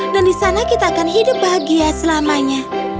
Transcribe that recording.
dan di sana kita akan hidup bahagia selamanya